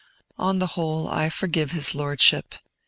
On the whole, I forgive his Lordship.